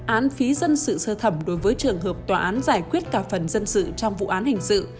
án phí dân sự sơ thẩm đối với trường hợp tòa án giải quyết cả phần dân sự trong vụ án hình sự